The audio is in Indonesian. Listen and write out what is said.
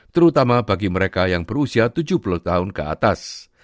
terutama bagi mereka yang berusia tujuh puluh tahun ke atas